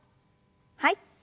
はい。